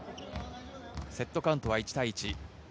セットカウントは１対１。